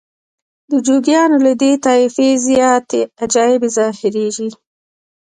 د جوګیانو له دې طایفې زیاتې عجایب ظاهریږي.